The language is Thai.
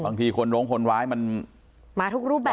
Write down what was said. บางทีคนโรงคนร้ายมันมาทุกรูปแบบ